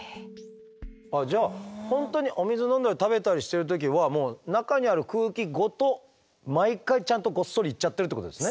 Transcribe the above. じゃあ本当にお水飲んだり食べたりしてる時は中にある空気ごと毎回ちゃんとごっそりいっちゃってるってことですね。